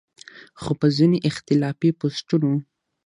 خو پۀ ځينې اختلافي پوسټونو